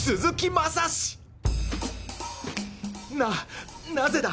ななぜだ？